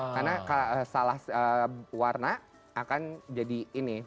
karena salah warna akan jadi ini